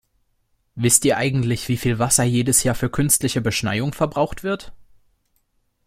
Wisst ihr eigentlich, wie viel Wasser jedes Jahr für künstliche Beschneiung verbraucht wird?